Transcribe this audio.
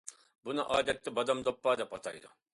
بۇنى ئادەتتە بادام دوپپا دەپ ئاتايدۇ.